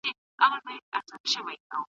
حق پرست خلګ تل بریالي وي.